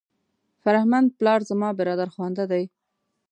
فرهمند پلار زما برادرخوانده دی.